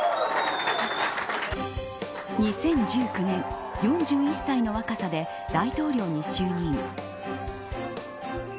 ２０１９年４１歳の若さで大統領に就任。